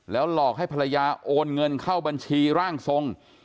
หลอกให้ภรรยาโอนเงินเข้าบัญชีร่างทรง